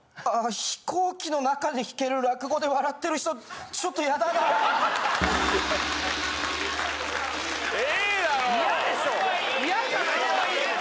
飛行機の中で聞ける落語で笑ってる人ちょっと嫌だなあええやろ！